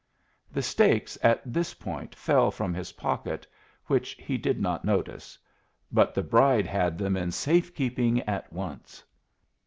The stakes at this point fell from his pocket which he did not notice. But the bride had them in safe keeping at once.